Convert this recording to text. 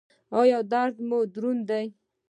ایا درد مو دروند دی؟